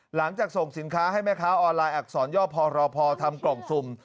หลังจากส่งสินค้าให้แม่ค้าออนไลน์อักษรย่อพอรอพอทำกล่องสุ่ม